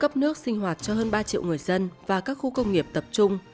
cấp nước sinh hoạt cho hơn ba triệu người dân và các khu công nghiệp tập trung